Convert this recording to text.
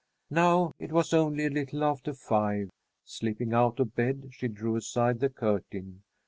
Now it was only a little after five. Slipping out of bed, she drew aside the curtain.